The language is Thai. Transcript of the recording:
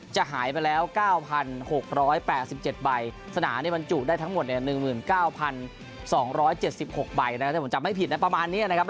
จะหายไปแล้ว๙๖๘๗ใบทั้งหมด๐๐๙๒๗๖ใบนะที่ผมจำให้ผิดนะประมาณนี้นะครับ